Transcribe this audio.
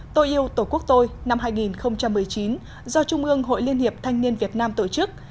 tôi yêu tổ quốc tôi năm hai nghìn một mươi chín do trung ương hội liên hiệp thanh niên việt nam tổ chức